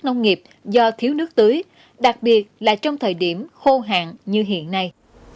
nông nghiệp do thiếu nước tưới đặc biệt là trong thời điểm khô hạn như hiện nay